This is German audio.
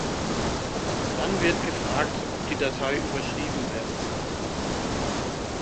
Dann wird gefragt ob die Datei überschrieben werden soll.